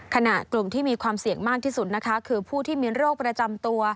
ขณะกลุ่มที่มีความเสี่ยงมากที่สุดนะคะคือผู้ที่มีโรคประจำตัว